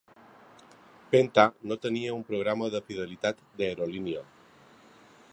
Penta no tenia un programa de fidelitat d'aerolínia.